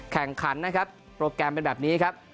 แข่งขันนะครับโปรแกรมเป็นแบบนี้ครับ